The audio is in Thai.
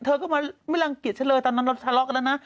เธอก็มาไม่รังกิจฉันเลยตอนนั้นเราสารรอบแล้วนะ